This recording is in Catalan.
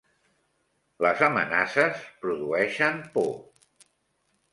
Les amenaces produeixen por.